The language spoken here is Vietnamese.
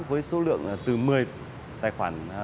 với số lượng từ một mươi tài khoản